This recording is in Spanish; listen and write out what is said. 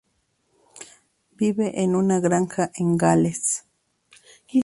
Vive en una granja en Gales